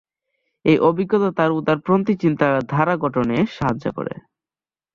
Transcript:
এই অভিজ্ঞতা তাঁর উদারপন্থী চিন্তাধারা গঠনে সাহায্য করে।